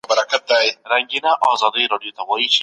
اسلام د ټولني هر اړخیز نظام دی.